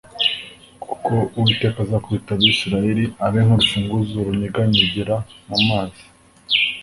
Kuko Uwiteka azakubita Isirayeli abe nk’urufunzo runyeganyegera mu mazi